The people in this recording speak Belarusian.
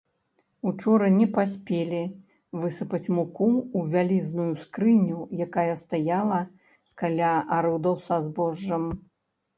Учора не паспелі высыпаць муку ў вялізную скрыню, якая стаяла каля арудаў са збожжам.